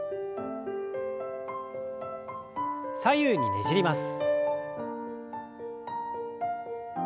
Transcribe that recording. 左右にねじります。